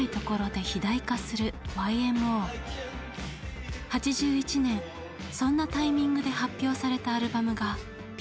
８１年そんなタイミングで発表されたアルバムが「ＢＧＭ」です。